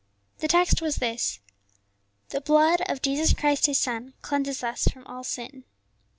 The text was this: "The blood of Jesus Christ, His Son, cleanseth us from all sin."